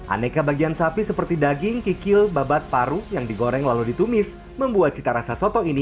aneka bagian sapi seperti daging kikil babat paru yang digoreng lalu ditumis membuat cita rasa soto ini